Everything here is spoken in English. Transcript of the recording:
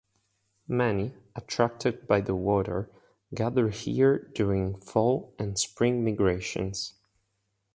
Many, attracted by the water, gather here during fall and spring migrations.